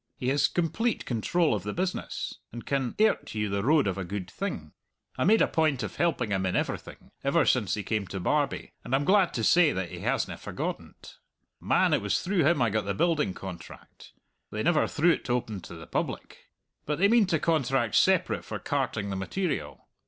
He has complete control of the business, and can airt you the road of a good thing. I made a point of helping him in everything, ever since he came to Barbie, and I'm glad to say that he hasna forgotten't. Man, it was through him I got the building contract; they never threw't open to the public. But they mean to contract separate for carting the material.